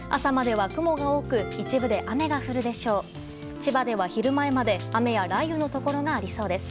千葉では昼前まで雨や雷雨のところがありそうです。